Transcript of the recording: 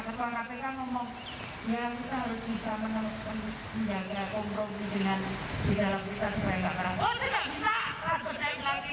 apa ya kalau marah itu harus ditunjukkan ke orang lain